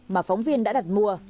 mà phóng viên đã đặt mua